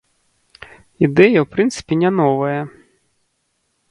Ідэя ў прынцыпе не новая.